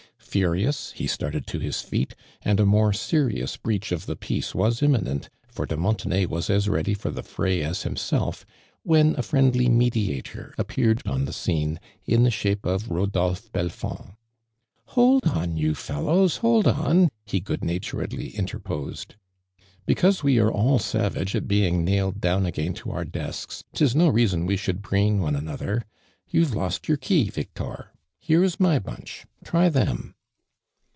Furious, he started to his feet, and a moiv serious breach of the peace was imminent, for de Montenay was as ready for the fray as himself, when a friendly mediator ap peared on the scone, in the sliape of Ko dolpho Belfond. " Hold on, you fellows! Hold on I" he good naturedly interposed. " Becjiase we are all savage at being nailed down again to our desks, 'tis no reason we should brain one another ! You've lost your key, Victor. Here is my bunch. Try them.''